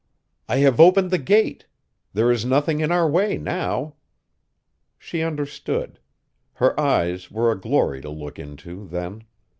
"I have opened the gate. There is nothing in our way now." She understood. Her eyes were a glory to look into then.